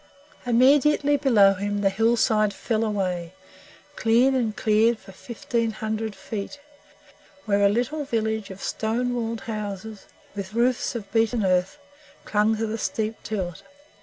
Immediately below him the hillside fell away, clean and cleared for fifteen hundred feet, where a little village of stone walled houses, with roofs of beaten earth, clung to the steep tilt.